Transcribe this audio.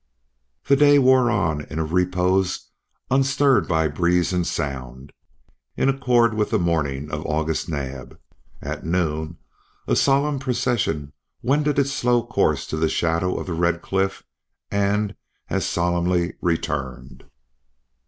The day wore on in a repose unstirred by breeze and sound, in accord with the mourning of August Naab. At noon a solemn procession wended its slow course to the shadow of the red cliff, and as solemnly returned.